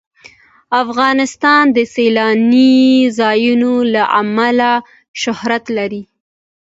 افغانستان د سیلانی ځایونه له امله شهرت لري.